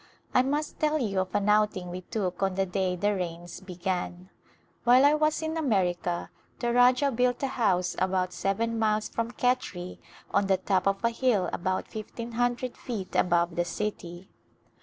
I must tell you of an outing we took on the day the rains began. While I was in America the Rajah built a house about seven miles from Khetri on the top of a hill about fifteen hundred feet above the city.